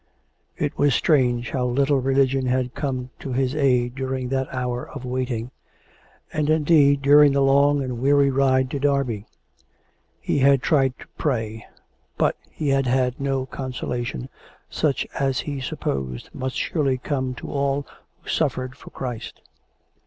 It was strange how little religion had come to his aid during that hour of waiting; and, indeed, during the long and weary ride to Derby. He had tried to pray ; but he had had no consolation, such as he supposed must surely come to all who suffered for Christ.